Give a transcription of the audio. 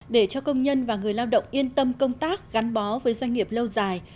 để cho công nhân và người lao động yên tâm công tác gắn bó với doanh nghiệp lâu dài